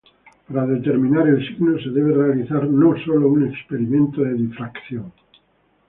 Para determinar el signo se debe realizar no sólo un experimento de difracción.